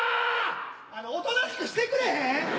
おとなしくしてくれへん？